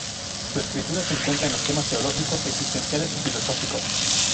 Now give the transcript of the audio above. Su escritura se centra en los temas teológicos, existenciales y filosóficos.